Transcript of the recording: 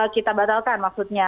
kita batalkan maksudnya